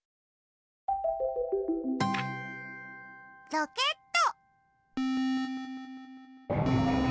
ロケット。